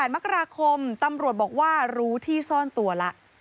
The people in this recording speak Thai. มกราคมตำรวจบอกว่ารู้ที่ซ่อนตัวแล้ว